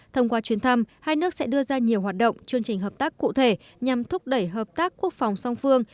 thông qua chuyến thăm hai nước sẽ đưa ra nhiều hoạt động chương trình hợp tác cụ thể nhằm thúc đẩy hợp tác quốc phòng song phương